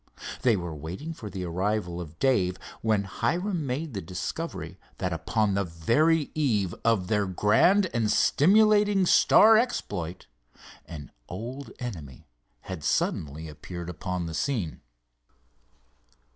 They were waiting for the arrival of Dave, when Hiram made the discovery that upon the very eve of their grand and stimulating star exploit, an old enemy had suddenly appeared upon the scene.